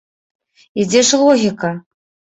І дзе ж логіка?